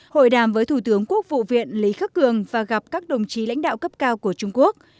hội đàm với thủ tướng quốc vụ viện lý khắc cường và gặp các đồng chí lãnh đạo cấp cao của trung quốc